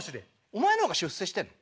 お前の方が出世してんの？